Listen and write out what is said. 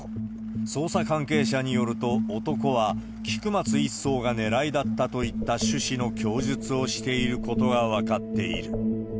捜査関係者によると、男は菊松１曹が狙いだったといった趣旨の供述をしていることは分かっている。